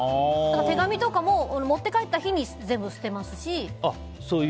手紙とかも持って帰ってきた日に全部捨てますし。